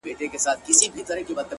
په خلقت د خدای حيران شمه پردېسه